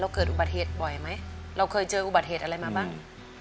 เกิดอุบัติเหตุบ่อยไหมเราเคยเจออุบัติเหตุอะไรมาบ้าง